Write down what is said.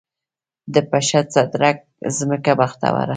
د پشد، صدرګټ ځمکه بختوره